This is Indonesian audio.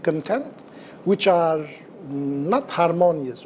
yang tidak harmonis